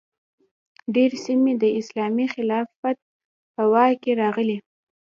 ډیرې سیمې د اسلامي خلافت په واک کې راغلې.